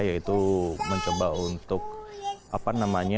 yaitu mencoba untuk apa namanya